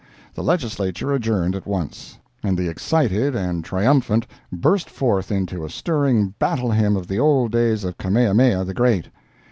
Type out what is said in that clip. The Legislature adjourned at once, and the excited and triumphant burst forth into a stirring battle hymn of the old days of Kamehameha the Great.